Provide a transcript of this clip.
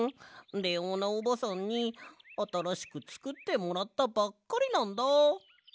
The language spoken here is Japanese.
レオーナおばさんにあたらしくつくってもらったばっかりなんだ。